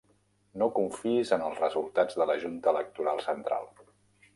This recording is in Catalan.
No confiïs en els resultats de la junta electoral central.